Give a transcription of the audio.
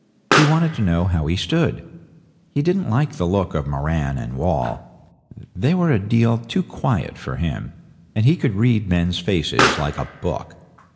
He wanted to know how he stood. He didn't like the look of Moran and Wall they were a deal too quiet for him, and he could read men's faces like a book.